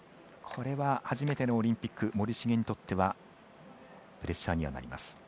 これは初めてのオリンピック森重にとってはプレッシャーにはなります。